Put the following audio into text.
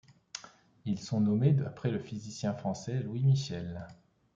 Ils sont nommés d'après le physicien français Louis Michel.